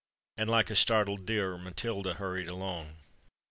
And, like a startled deer, Matilda hurried along.